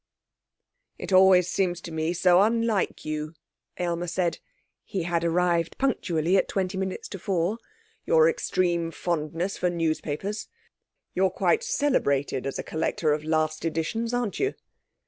C. 'It always seems to me so unlike you,' Aylmer said (he had arrived punctually at twenty minutes to four) 'your extreme fondness for newspapers. You're quite celebrated as a collector of Last Editions, aren't you?'